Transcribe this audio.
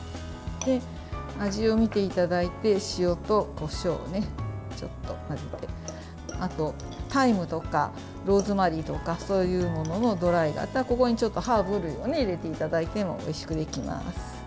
味を見ていただいて塩とこしょうをちょっと混ぜてあとタイムとかローズマリーとかそういうもののドライだったらここにちょっとハーブ類を入れていただいてもおいしくできます。